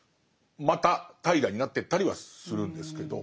また怠惰になってったりはするんですけど。